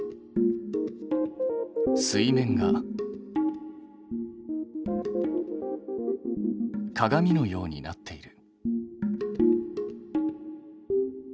水面が鏡のようになっている。